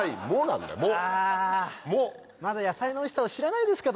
まだ野菜のおいしさを知らないですか？